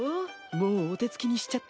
もうお手つきにしちゃった？